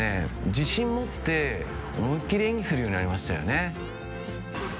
自信持って思いっきり演技するようになりましたよね